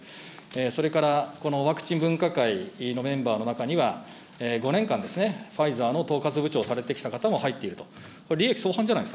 それからこのワクチン分科会のメンバーの中には５年間ですね、ファイザーの統括部長をされてきた方も入っていると。